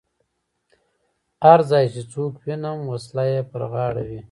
هر ځای چې څوک وینم وسله یې پر غاړه وي.